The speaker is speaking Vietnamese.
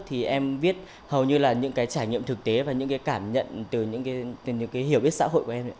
thì em viết hầu như là những cái trải nghiệm thực tế và những cái cảm nhận từ những cái hiểu biết xã hội của em ạ